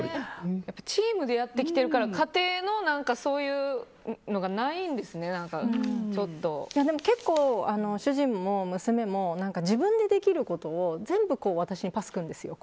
チームでやってきてるから家庭のそういうのが結構、主人も娘も自分でできることを全部私にパスくれるんですよ。